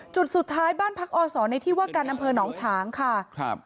จุดสุดท้ายบ้านพักอศในที่ว่าการอำเภอหนองฉางค่ะครับ